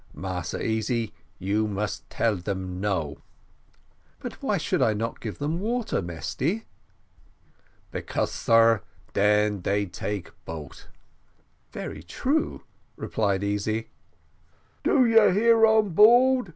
"Massy Easy, you must tell them No." "But why should I not give them water, Mesty?" "Because, sar, den they take boat." "Very true," replied Easy. "Do you hear on board?"